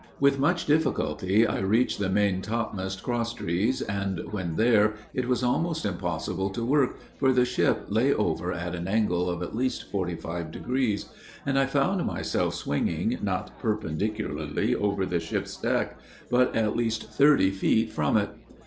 With much difficulty, I reached the main topmast cross trees, and, when there, it was almost impossible to work, for the ship lay over at an angle of at least forty five degrees, and I found myself swinging, not perpendicularly over the ship's deck, but at least thirty feet from it.